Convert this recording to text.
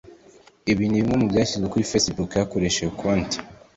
Ibi ni bimwe mu byashyizwe kuri facebook hakoreshejwe konti